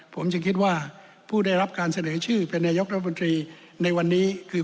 ผมจึงคิดว่าผู้ได้รับการเสนอชื่อเป็นนายกรัฐมนตรีในวันนี้คือ